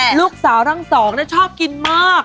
ลูกสาวทั้งสองชอบกินมาก